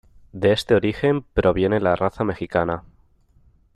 De este origen, proviene la raza mexicana.